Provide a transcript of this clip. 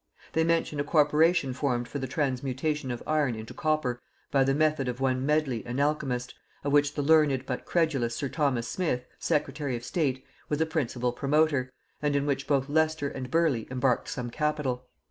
They mention a corporation formed for the transmutation of iron into copper by the method of one Medley an alchemist, of which the learned but credulous sir Thomas Smith, secretary of state, was a principal promoter, and in which both Leicester and Burleigh embarked some capital.